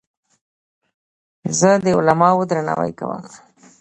زه د علماوو درناوی کوم.